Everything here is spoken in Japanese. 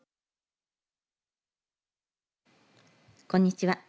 こんにちは。